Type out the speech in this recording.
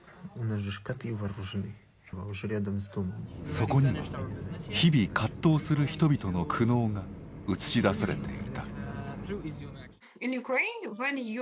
そこには日々葛藤する人々の苦悩が映し出されていた。